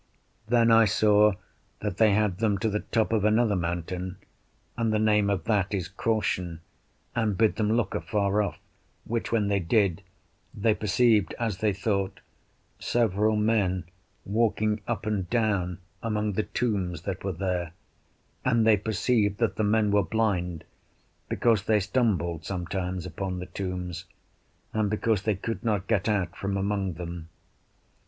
Then I saw that they had them to the top of another mountain, and the name of that is Caution, and bid them look afar off; which when they did, they perceived, as they thought, several men walking up and down among the tombs that were there; and they perceived that the men were blind, because they stumbled sometimes upon the tombs, and because they could not get out from among them.